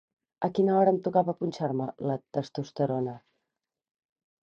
A quina hora em tocava punxar-me la testosterona?